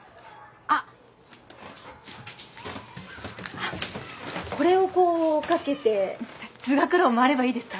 あっこれをこう掛けて通学路を回ればいいですか？